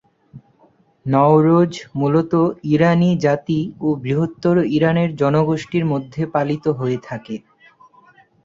নওরোজ মূলতঃ ইরানি জাতি ও বৃহত্তর ইরানের জনগোষ্ঠীর মধ্যে পালিত হয়ে থাকে।